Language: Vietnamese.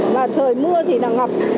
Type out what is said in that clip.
và trời mưa thì là ngập